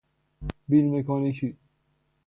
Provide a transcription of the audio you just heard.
بیل مکانیکی